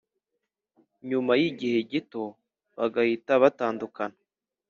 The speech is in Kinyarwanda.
nyuma y’igihe gito bagahita batandukana.